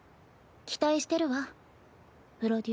期待してるわプロデューサー。